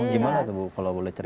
gimana tuh bu kalau boleh cerita